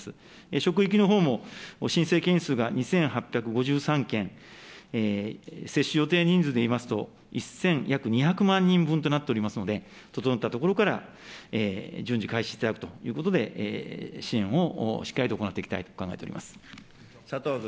職域のほうも申請件数が２８５３件、接種予定人数でいいますと、一千約２００万人分となっておりますので、整った所から、順次開始していただくということで、支援をしっかり行っていきた佐藤君。